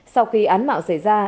sau khi án mạo xảy ra